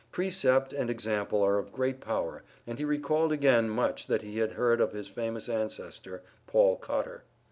Precept and example are of great power and he recalled again much that he had heard of his famous ancestor, Paul Cotter.